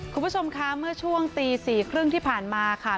คุณผู้ชมค่ะเมื่อช่วงตีสี่ครึ่งที่ผ่านมาค่ะ